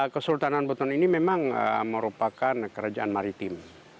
kesultanan buton ini memang merupakan kerajaan maritim